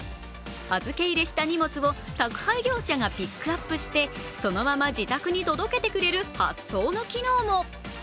預け入れした荷物を宅配業者がピックアップしてそのまま自宅に届けてくれる発送の機能も。